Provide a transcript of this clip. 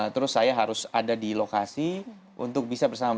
terus saya harus ada di lokasi untuk bisa bersama sama